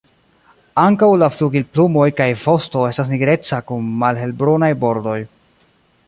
Ankaŭ la flugilplumoj kaj vosto estas nigreca kun malhelbrunaj bordoj.